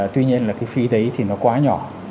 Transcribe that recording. tuy nhiên là cái phí đấy thì nó quá nhỏ